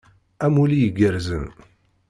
Amulli igerrzen.